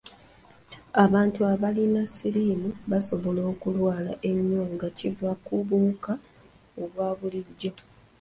Abantu abalina siriimu basobola okulwala ennyo nga kiva ku buwuka obwa bulijjo.